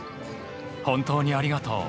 本当にありがとう。